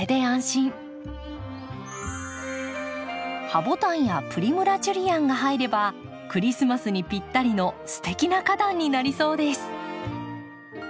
ハボタンやプリムラ・ジュリアンが入ればクリスマスにぴったりのすてきな花壇になりそうです。